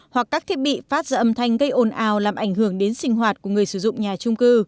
hoặc các thiết bị phát ra âm thanh gây ồn ào làm ảnh hưởng đến sinh hoạt của người sử dụng nhà trung cư